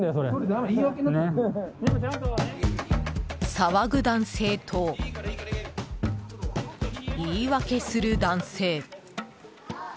騒ぐ男性と、言い訳する男性。